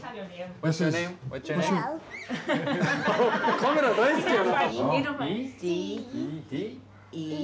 カメラ大好きやな。